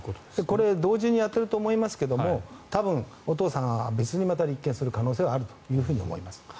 これ同時にやっていると思いますが多分、お父様は別にまた立件する可能性があると思います。